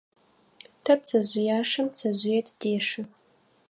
Тэ пцэжъыяшэм пцэжъые тыдешэ.